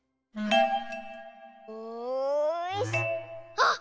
あっ！